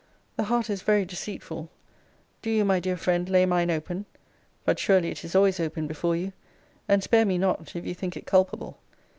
The heart is very deceitful: do you, my dear friend, lay mine open, [but surely it is always open before you!] and spare me not, if you think it culpable.